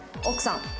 奥さん。